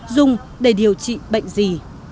dùng để điều trị bệnh gì